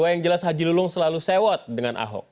yang jelas haji lulung selalu sewot dengan ahok